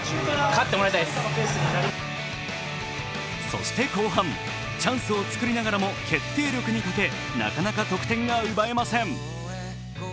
そして後半、チャンスを作りながらも決定力に欠け、なかなか得点が奪えません。